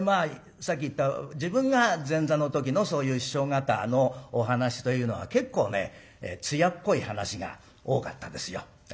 さっき言った自分が前座の時のそういう師匠方のお話というのは結構ね艶っぽい話が多かったですよ。